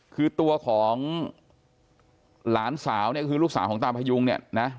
คือตัวของหลานสาวเนี่ยก็คือลูกสาวของตาพยุงเนี่ยนะ